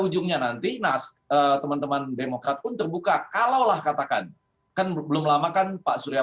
ujungnya nanti nas teman teman demokrat pun terbuka kalaulah katakan kan belum lama kan pak surya